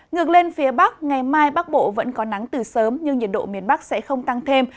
ngược lên phía bắc ngày mai bắc bộ vẫn có nắng từ sớm nhưng nhiệt độ miền bắc sẽ không tăng thêm